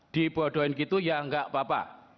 dibodohin gitu ya gak papa